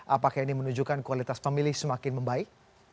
apakah ini menunjukkan kualitas pemilih semakin membaik